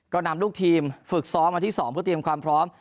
ก็นำลูกทีมฝึกซ้อมวันที่๒เพื่อเตรียมความพร้อม